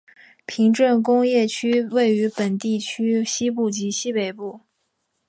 平镇工业区位于本地区西部及西北部。